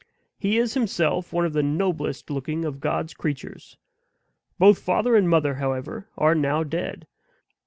He is himself one of the noblest looking of God's creatures. Both father and mother, however, are now dead.